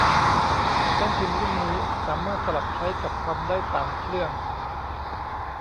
แป้นพิมพ์รุ่นนี้ สามารถสลับใช้กับคอมได้สามเครื่อง